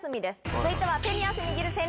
続いては。